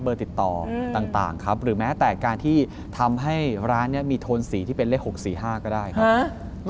ติดต่อต่างครับหรือแม้แต่การที่ทำให้ร้านนี้มีโทนสีที่เป็นเลข๖๔๕ก็ได้ครับ